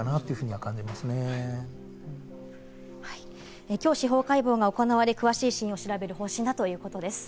はい、きょう司法解剖が行われ、詳しい死因を調べる方針だということです。